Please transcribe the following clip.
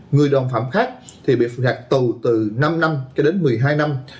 người đồng phạm khác thì bị phạt tù từ năm năm cho đến một mươi hai năm